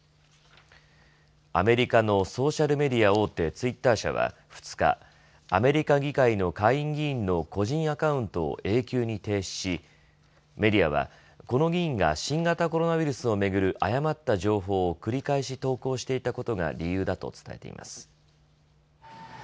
アメリカのソーシャルメディア大手、ツイッター社は２日アメリカ議会の下院議員の個人アカウントを永久に停止しメディアは、この議員が新型コロナウイルスをめぐる誤った情報を繰り返し投稿していたことが理由だと伝えています。